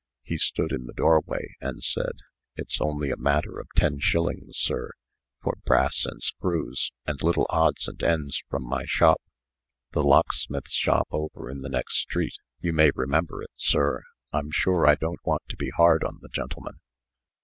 He stood in the doorway, and said: "It's only a matter of ten shillings, sir, for brass and screws, and little odds and ends from my shop the locksmith's shop over in the next street you may remember it, sir. I'm sure I don't want to be hard on the gentleman."